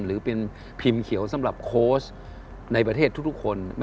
หรือเป็นพิมพ์เขียวสำหรับโค้ชในประเทศทุกคน